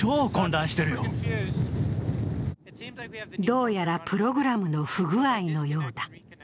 どうやらプログラムの不具合のようだ。